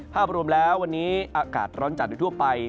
ภาพรวมแล้ววันนี้อากาศร้อนจัดโดยทั่วไป